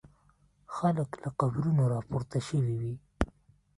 خلک له قبرونو را پورته شوي وي.